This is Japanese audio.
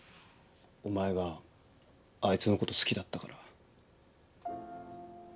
お前があいつのこと好きだったから。